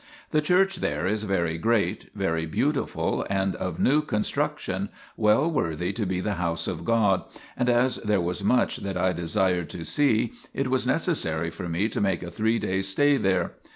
The church there is very great, very beauti ful and of new construction, well worthy to be the house of God, and as there was much that I desired to see, it was necessary for me to make a three days' stay there.